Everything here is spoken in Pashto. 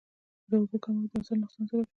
د اوبو کمښت د حاصل نقصان سبب کېږي.